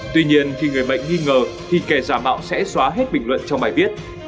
tuy nhiên khi người bệnh nghi ngờ thì kẻ giả mạo sẽ xóa hết bình luận trong bài viết